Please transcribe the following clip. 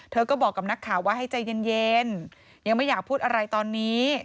เธอก็บอกกับนักข่าวว่าให้ใจเย็นยังไม่อยากพูดอะไรตอนนี้